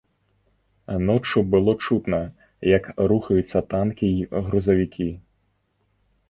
Ноччу было чутна, як рухаюцца танкі і грузавікі.